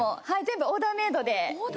・オーダーメイド？